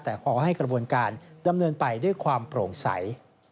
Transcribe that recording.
แต่ขอให้กระบวนการดำเนินไปด้วยความโปร่งใส